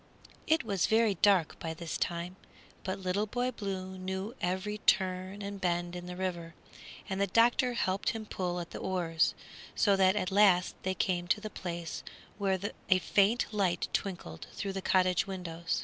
It was very dark by this time, but Little Boy Blue knew every turn and bend in the river, and the doctor helped him pull at the oars, so that at last they came to the place where a faint light twinkled through the cottage window.